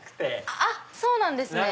あっそうなんですね！